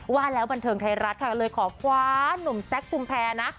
ว่าแล้วบันเทิงไทยรัฐค่ะก็เลยขอคว้านุ่มแซคชุมแพรนะ